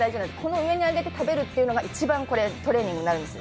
上に上げて食べるというのが一番トレーニングになるんですよ。